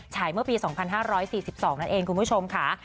เมื่อปี๒๕๔๒นั่นเองคุณผู้ชมค่ะ